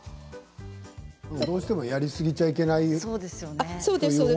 どうしてもやりすぎちゃいけないって思って。